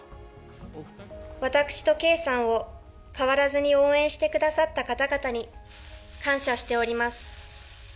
私と圭さんを変わらずに応援してくださった方々に感謝しております。